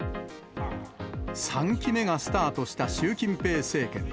３期目がスタートした習近平政権。